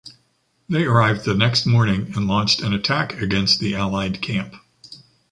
They arrived the next morning and launched an attack against the allied camp.